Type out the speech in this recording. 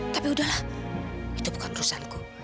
tapi itu bukan urusan saya